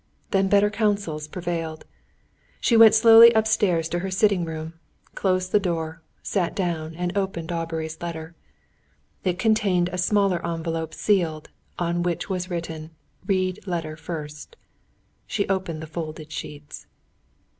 Then better counsels prevailed. She went slowly upstairs to her sitting room, closed the door, sat down, and opened Aubrey's letter. It contained a smaller envelope sealed, on which was written: "Read letter first." She opened the folded sheets.